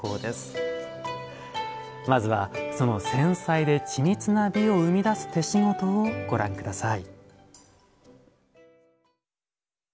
まずはその繊細で緻密な美を生み出す手しごとをご覧下さい。